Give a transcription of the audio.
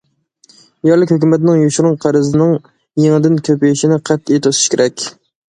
يەرلىك ھۆكۈمەتنىڭ يوشۇرۇن قەرزىنىڭ يېڭىدىن كۆپىيىشىنى قەتئىي توسۇش كېرەك.